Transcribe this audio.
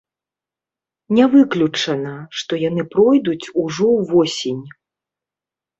Не выключана, што яны пройдуць ужо ўвосень.